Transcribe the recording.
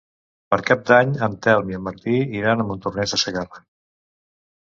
Per Cap d'Any en Telm i en Martí iran a Montornès de Segarra.